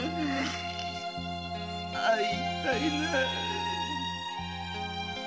会いたいな。